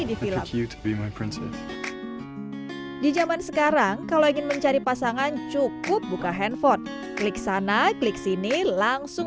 di jaman sekarang kalau ingin mencari pasangan cukup buka handphone klik sana klik sini langsung